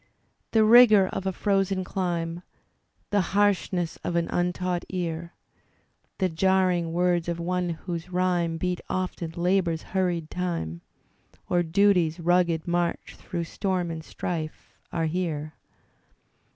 The rigour of a frozen dime. The harshness of an untaught ear. The jarring words of one whose rhyme Beat often Labour's hurried time. Or Duty's rugged march through storm and strife, are here.